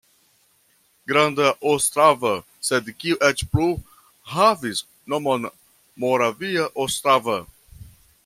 Granda Ostrava, sed kiu eĉ plu havis nomon Moravia Ostrava.